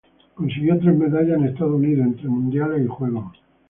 Consiguió tres medallas con Estados Unidos, entre mundiales y Juegos.